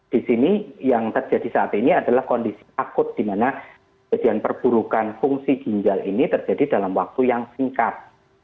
di sini yang terjadi saat ini adalah kondisi akut di mana kejadian perburukan fungsi ginjal ini terjadi dalam waktu yang singkat